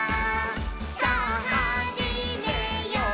さぁはじめよう」